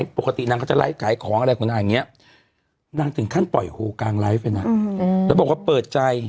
ไปบอกว่าเปิดใจ